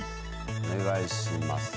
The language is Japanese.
お願いします。